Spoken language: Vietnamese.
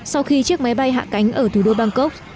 sau khi chiếc máy bay hạ cánh ở thủ đô bangkok